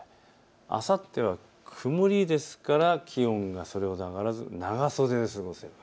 あさっては曇りですから気温がそれほど上がらず長袖で過ごせる。